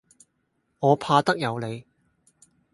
我怕得有理。